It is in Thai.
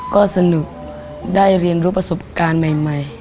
ก็สนุกได้เรียนรู้ประสบการณ์ใหม่